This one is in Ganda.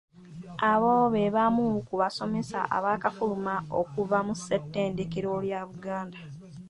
Abo be bamu ku basomesa abaakafuluma okuva mu ssetendekero lya Buganda.